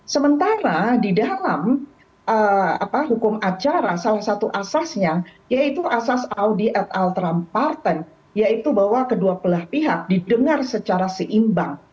sementara di dalam hukum acara salah satu asasnya yaitu asas audi at al teramparten yaitu bahwa kedua belah pihak didengar secara seimbang